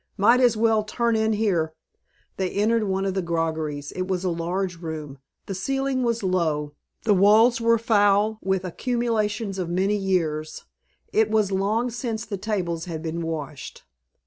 Might as well turn in here." They entered one of the groggeries. It was a large room. The ceiling was low. The walls were foul with the accumulations of many years, it was long since the tables had been washed.